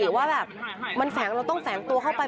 ว่าแบบมันแฝงเราต้องแฝงตัวเข้าไป